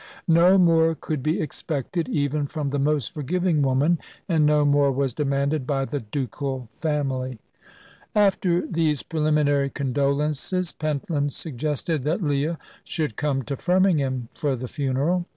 No more could be expected, even from the most forgiving woman, and no more was demanded by the ducal family. After these preliminary condolences Pentland suggested that Leah should come to Firmingham for the funeral.